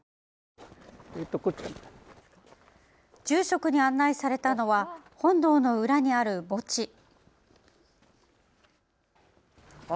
住職に案内されたのは本堂の裏にある墓地。